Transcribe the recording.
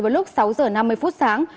vào lúc sáu giờ năm mươi phút sáng